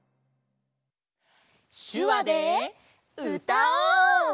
しゅわでうたおう！